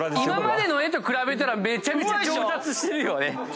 今までの絵と比べたらめちゃめちゃ上達してるよね。